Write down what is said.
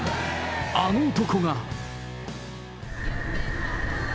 あの男が。